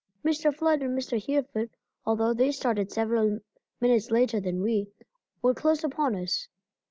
Mr. Flood and Mr. Hereford, although they started several minutes later than we, were close upon us.